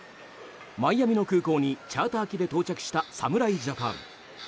マイアミの空港にチャーター機で到着した侍ジャパン。